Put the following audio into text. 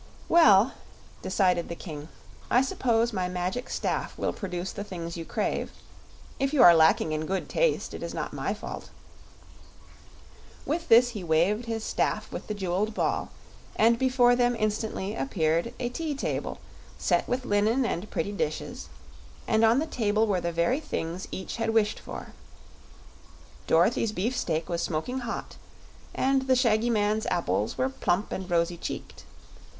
"Well," decided the King, "I suppose my Magic Staff will produce the things you crave; if you are lacking in good taste it is not my fault." With this, he waved his staff with the jeweled ball, and before them instantly appeared a tea table, set with linen and pretty dishes, and on the table were the very things each had wished for. Dorothy's beefsteak was smoking hot, and the shaggy man's apples were plump and rosy cheeked.